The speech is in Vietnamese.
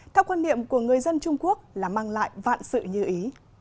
theo quan niệm của người dân trung quốc là mang lại vạn sự như ý